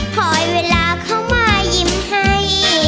คอยเวลาเขามายิ้มให้